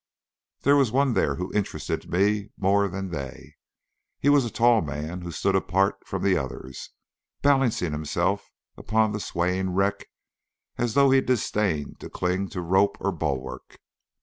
There was one there who interested me more than they. He was a tall man, who stood apart from the others, balancing himself upon the swaying wreck as though he disdained to cling to rope or bulwark.